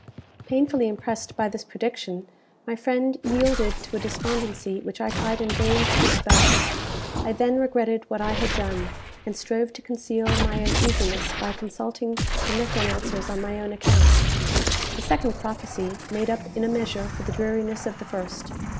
Painfully impressed by this prediction, my friend yielded to a despondency which I tried in vain to dispel. I then regretted what I had done, and strove to conceal my uneasiness by consulting the necromancers on my own account. The second prophecy made up in a measure for the dreariness of the first.